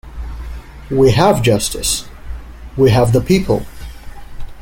We have justice — we have the people.